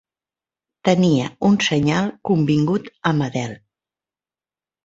Tenia un senyal convingut amb Adele.